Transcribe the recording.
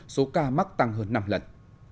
số ca mắc tăng hơn năm lần